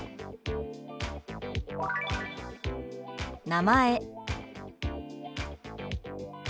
「名前」。